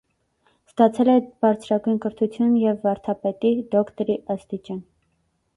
Ստացել է բարձրագույն կրթություն և վարդապետի (դոկտորի) աստիճան։